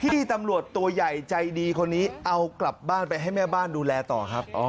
พี่ตำรวจตัวใหญ่ใจดีคนนี้เอากลับบ้านไปให้แม่บ้านดูแลต่อครับ